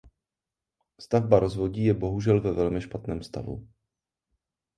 Stavba rozvodí je bohužel ve velmi špatném stavu.